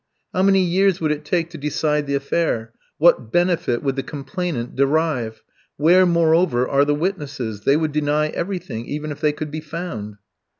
How many years would it take to decide the affair, what benefit would the complainant derive? Where, moreover, are the witnesses? They would deny everything, even if they could be found.